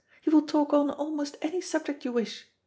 He will talk on almost any subject you wish.